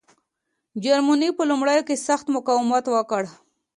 جرمني په لومړیو کې سخت مقاومت وکړ.